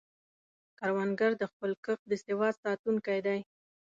کروندګر د خپل کښت د سواد ساتونکی دی